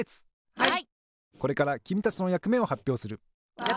はい！